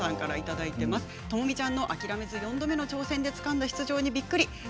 智美ちゃんの諦めず４度目の挑戦でつかんだチャンスにびっくり。